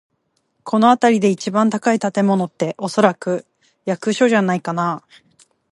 この辺りで一番高い建物って、おそらく市役所じゃないかな。